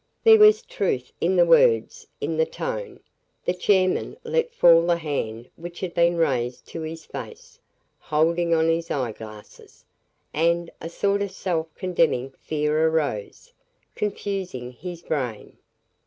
There was truth in the words in the tone. The chairman let fall the hand which had been raised to his face, holding on his eye glasses; and a sort of self condemning fear arose, confusing his brain.